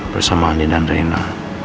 bersama andi dan reina